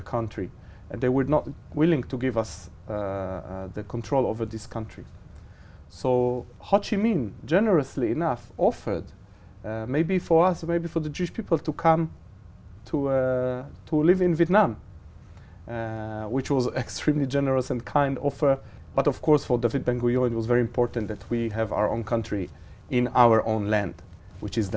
chúng tôi muốn có một thị trấn của chúng tôi nhưng chúng tôi không có một thị trấn của chúng tôi